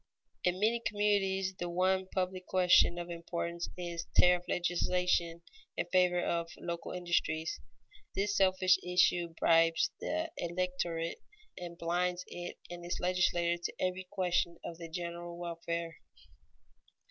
In many communities, the one public question of importance is tariff legislation in favor of the local industries. This selfish issue bribes the electorate, and blinds it and its legislator to every question of the general welfare.